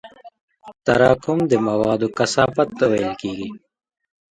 تراکم د موادو کثافت ته ویل کېږي.